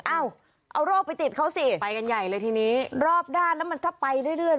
เอ้าเอาโรคไปติดเขาสิไปกันใหญ่เลยทีนี้รอบด้านแล้วมันก็ไปเรื่อย